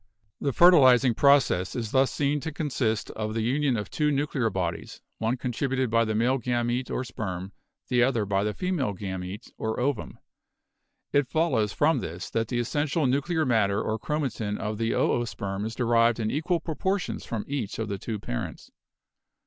The fertiliz ing process is thus seen to consist of the union of two nu clear bodies, one contributed by the male gamete or sperm, the other by the female gamete or ovum. It follows from this that the essential nuclear matter or chromatin of the oosperm is derived in equal proportions from each of the two parents.